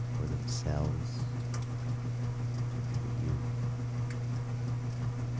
for themselves and for you.